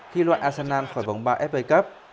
khi loạn arsenal khỏi vòng ba fa cup